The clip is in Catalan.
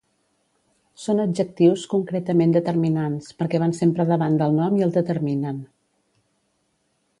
Són adjectius, concretament determinants, perquè van sempre davant del nom i el determinen.